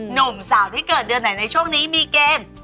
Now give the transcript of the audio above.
หนุ่มสาวที่เกิดเดือนไหนในช่วงนี้มีเกม